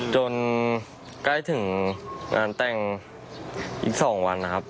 จนใกล้ถึงงานแต่งอีก๒วัน